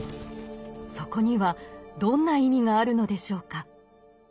そこにはどんな意味があるのでしょうか。